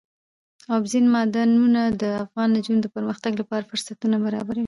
اوبزین معدنونه د افغان نجونو د پرمختګ لپاره فرصتونه برابروي.